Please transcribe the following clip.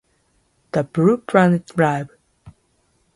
The Blue Planet Live!